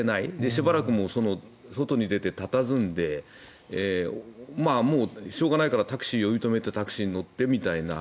しばらく外に出て佇んでもうしょうがないからタクシーを呼び止めてタクシーに乗ってみたいな。